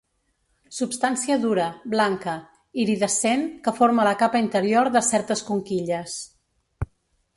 Substància dura, blanca, iridescent, que forma la capa interior de certes conquilles.